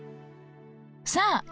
さあ